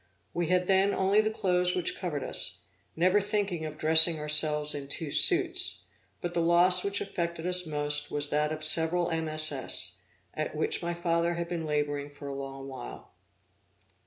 We had then only the clothes which covered us, never thinking of dressing ourselves in two suits; but the loss which affected us most was that of several MSS, at which my father had been laboring for a long while.